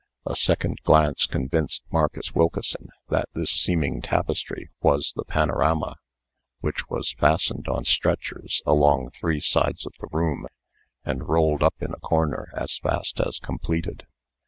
A second glance convinced Marcus Wilkeson that this seeming tapestry was the panorama, which was fastened on stretchers along three sides of the room, and rolled up in a corner as fast as completed.